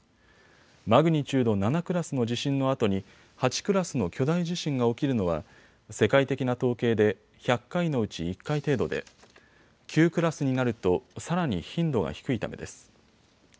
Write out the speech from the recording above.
マグニチュード７クラスの地震のあとに８クラスの巨大地震が起きるのは世界的な統計で１００回のうち１回程度で９クラスになるとさらに頻度が低いためです。